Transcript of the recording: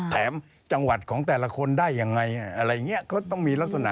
แถมจังหวัดของแต่ละคนได้ยังไงอะไรอย่างนี้ก็ต้องมีลักษณะ